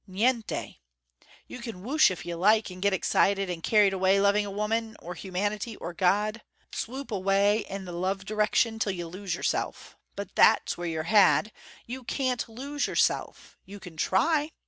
Niente! You can whoosh if you like, and get excited and carried away loving a woman, or humanity, or God. Swoop away in the love direction till you lose yourself. But that's where you're had. You can't lose yourself. You can try.